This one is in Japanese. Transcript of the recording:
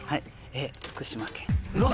福島県。